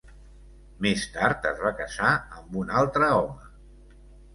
Més tard es va casar amb un altre home.